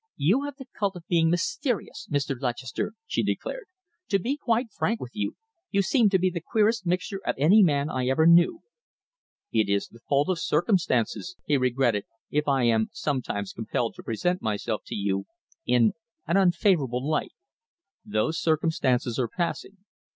"You have the cult of being mysterious, Mr. Lutchester," she declared. "To be quite frank with you, you seem to be the queerest mixture of any man I ever knew." "It is the fault of circumstances," he regretted, "if I am sometimes compelled to present myself to you in an unfavourable light. Those circumstances are passing.